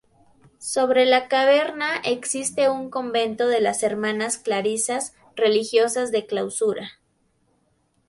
Sobre la caverna existe un convento de las hermanas clarisas, religiosas de clausura.